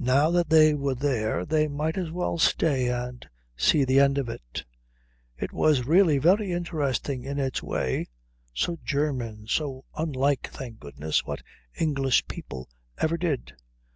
Now that they were there they might as well stay and see the end of it. It was really very interesting in its way; so German; so unlike, thank goodness, what English people ever did.